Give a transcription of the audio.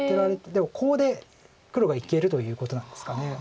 でもコウで黒がいけるということなんですか。